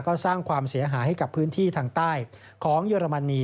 ก็สร้างความเสียหายให้กับพื้นที่ทางใต้ของเยอรมนี